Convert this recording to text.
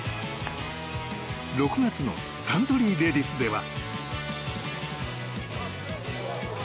６月のサントリーレディスでは。